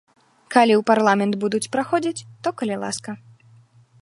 Калі ў парламент будуць праходзіць, то калі ласка.